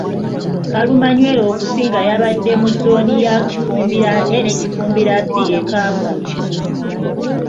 Kalumanywera okusinga yabadde mu zzooni ya Kifumbira A ne Kifumbira B e Kamwokya.